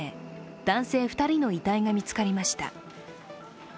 男性２人の遺体が見つかりました。